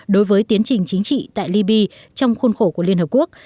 đối với tiến trình chính trị tại libya trong khuôn khổ của liên hợp quốc